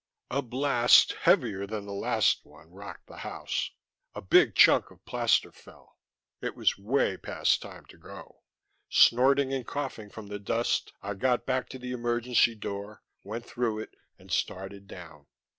A blast heavier than the last one rocked the house; a big chunk of plaster fell. It was way past time to go. Snorting and coughing from the dust, I got back to the emergency door, went through it, and started down.